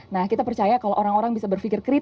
nah kita percaya kalau orang orang bisa berpikir kritis